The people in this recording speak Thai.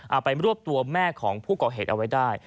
ไปรวบตัวแม่ของผู้ก่อเหตุเอาไว้ได้